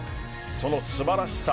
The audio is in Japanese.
その素晴らしさ。